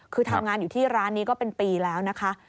คือทำงานอยู่ที่ร้านนี้ก็เป็นปีแล้วนะคะ